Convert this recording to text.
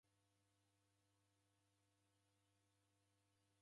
W'andu w'erekoghe w'engi ikanisenyi.